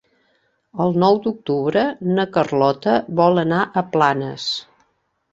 El nou d'octubre na Carlota vol anar a Planes.